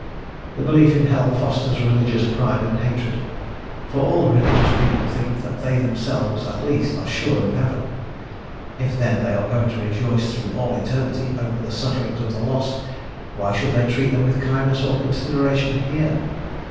The belief in hell fosters religious pride and hatred, for all religious people think that they themselves at least are sure of heaven. If then they are going to rejoice through all eternity over the sufferings of the lost, why should they treat them with kindness or consideration here?